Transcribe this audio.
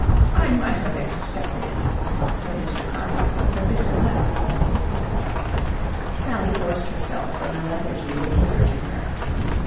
"I might have expected it," said Mr. Carmyle with a bitter laugh. Sally forced herself from the lethargy which was gripping her.